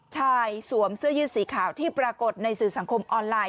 สวมเสื้อยืดสีขาวที่ปรากฏในสื่อสังคมออนไลน